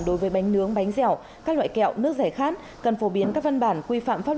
đối với bánh nướng bánh dẻo các loại kẹo nước giải khát cần phổ biến các văn bản quy phạm pháp